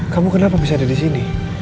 kamu kenapa bisa ada di sini